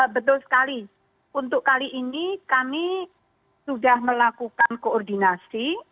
betul sekali untuk kali ini kami sudah melakukan koordinasi